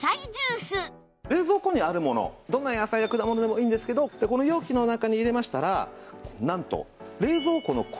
冷蔵庫にあるものどんな野菜や果物でもいいんですけどこの容器の中に入れましたらなんと冷蔵庫の氷